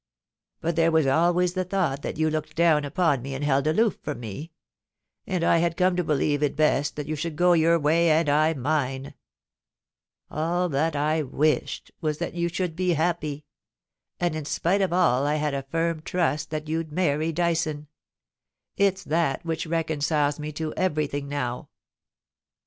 But there was always the thought that you looked down upon me and held aloof from me ; and I had come to believe it best that you should go your way and I mine. All that I wished was that you should be happy, and in spite of all I had a firm trust that you'd many Dyson. It's that which reconciles me to everything now.'